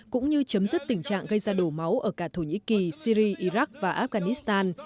cũng như chấm dứt tình trạng gây ra đổ máu ở cả thổ nhĩ kỳ syri iraq và afghanistan